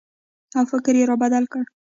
او فکر یې را بدل کړ